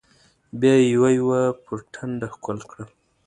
بيا يې يو يو پر ټنډه ښکل کړل.